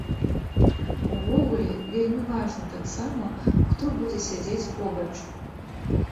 Увогуле, вельмі важна таксама, хто будзе сядзець побач.